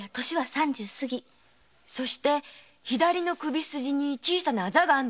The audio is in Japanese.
そして左の首筋に小さなアザがあるのよね。